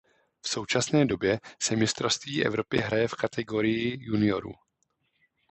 V současné době se mistrovství Evropy hraje v kategorii juniorů.